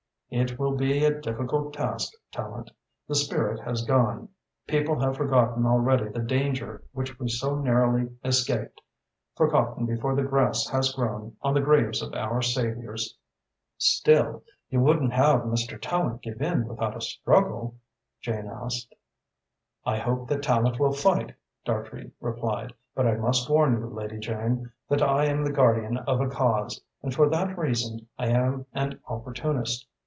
"It will be a difficult task, Tallente. The spirit has gone. People have forgotten already the danger which we so narrowly escaped forgotten before the grass has grown on the graves of our saviours." "Still, you wouldn't have Mr. Tallente give in without a struggle?" Jane asked. "I hope that Tallente will fight," Dartrey replied, "but I must warn you, Lady Jane, that I am the guardian of a cause, and for that reason I am an opportunist.